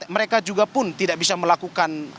mereka juga pun tidak bisa melakukan